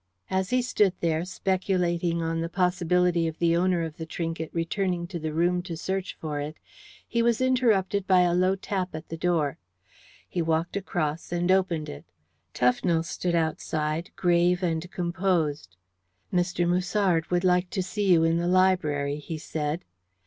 As he stood there, speculating on the possibility of the owner of the trinket returning to the room to search for it, he was interrupted by a low tap at the door. He walked across and opened it. Tufnell stood outside, grave and composed. "Mr. Musard would like to see you in the library," he said.